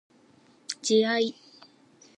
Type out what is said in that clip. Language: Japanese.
自愛